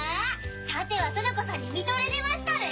さては園子さんに見とれてましたね。